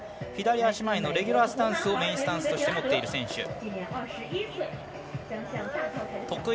左足前のレギュラースタンスをメインスタンスとして持っている選手。